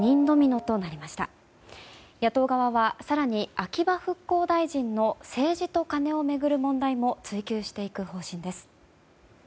野党側は更に、秋葉復興大臣の政治とカネを巡る問題も追及していく方針です。